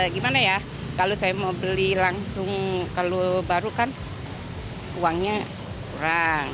gimana ya kalau saya mau beli langsung kalau baru kan uangnya kurang